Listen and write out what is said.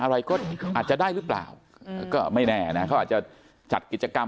อะไรก็อาจจะได้หรือเปล่าก็ไม่แน่นะเขาอาจจะจัดกิจกรรม